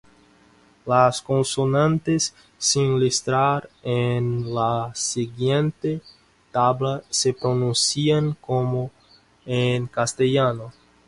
Las consonantes sin listar en la siguiente tabla se pronuncian como en castellano.